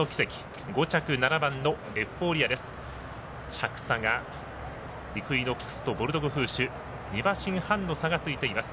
着差がイクイノックスとボルドグフーシュ２馬身半の差がついています。